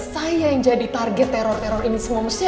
saya yang jadi target teror teror ini semuanya